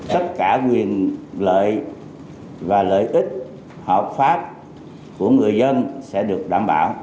tất cả quyền lợi và lợi ích hợp pháp của người dân sẽ được đảm bảo